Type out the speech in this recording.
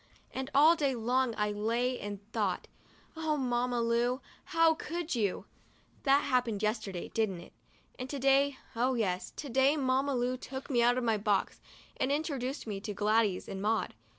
and all day long I lay and thought, "Oh, Mamma Lu! how could v* you/ That happened yesterday, didn't it? And to day — oh, yes, to day — Mamma Lu took me out of my box and introduced me to Gladys and Maud.